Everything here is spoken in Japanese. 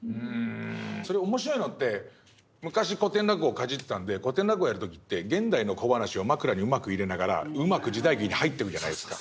それ面白いのって昔古典落語をかじってたんで古典落語やる時って現代の小咄をマクラにうまく入れながらうまく時代劇に入っていくじゃないですか。